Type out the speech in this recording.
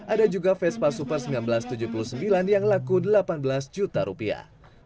ada juga vespa super seribu sembilan ratus tujuh puluh sembilan yang laku delapan belas juta rupiah